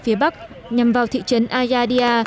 phía bắc nhằm vào thị trấn ayadia